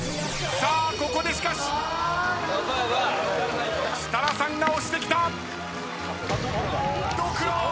さあここでしかし設楽さんが押してきた！